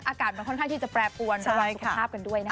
อากาศมันค่อนข้างที่จะแปรอวนสุขภาพกันด้วย